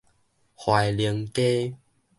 懷寧街